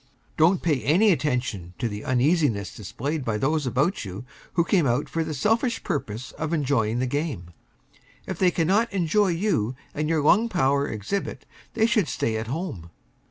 Don't pay any attention to the uneasiness displayed by those about you who came out for the selfish purpose of enjoying the game. If they cannot enjoy you and your lung power exhibit, they should stay at home.